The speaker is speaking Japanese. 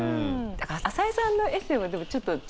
朝井さんのエッセーはでもちょっと若干。